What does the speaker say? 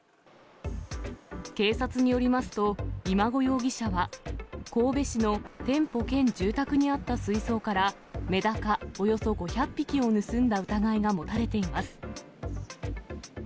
警察によりますと、今後容疑者は、神戸市の店舗兼住宅にあった水槽から、メダカおよそ５００匹を盗んだ疑いが持たれています。